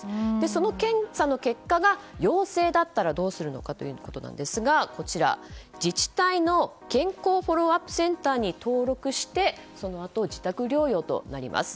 その検査の結果が陽性だったらどうするのかということですが自治体の健康フォローアップセンターに登録してそのあと自宅療養となります。